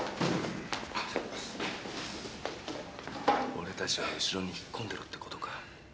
俺達は後ろに引っ込んでろってことか。